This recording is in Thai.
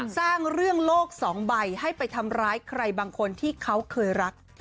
สร้างเรื่องโลกสองใบให้ไปทำร้ายใครบางคนที่เขาเคยรัก